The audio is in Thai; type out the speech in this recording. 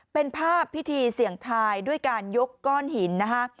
เป็นภาพพิธีเสี่ยงทายด้วยการยกก้อนหินนะคะ